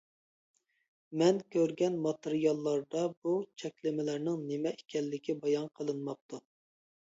مەن كۆرگەن ماتېرىياللاردا بۇ چەكلىمىلەرنىڭ نېمە ئىكەنلىكى بايان قىلىنماپتۇ.